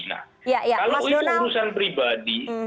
kalau itu urusan pribadi